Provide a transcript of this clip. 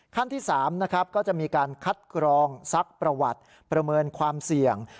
ขั้นที่๓นะครับก็จะมีการคัดกรองซักประวัติประเมินความเสี่ยง